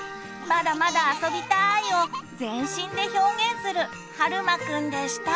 「まだまだあそびたい」を全身で表現するはるまくんでした。